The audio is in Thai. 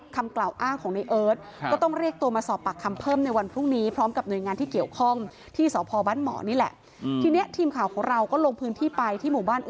คำกล่าวอ้างของในเอิ้ต